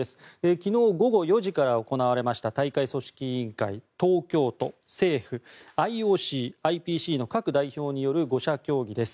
昨日午後４時から行われた大会組織委員会東京都、政府、ＩＯＣ、ＩＰＣの各代表による５者協議です。